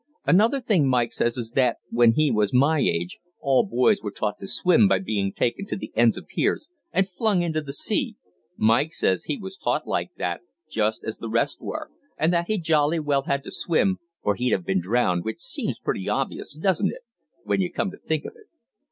Another thing Mike says is that 'when he was my age' all boys were taught to swim by being taken to the ends of piers and flung into the sea Mike says he was taught like that just as the rest were, and that he jolly well had to swim or he'd have been drowned, which seems pretty obvious, doesn't it, when you come to think of it?